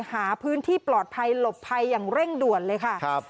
หาพื้นที่ปลอดภัยหลบภัยอย่างเร่งด่วนเลยค่ะ